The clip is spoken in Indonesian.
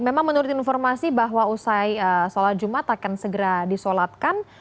memang menurut informasi bahwa usai sholat jumat akan segera disolatkan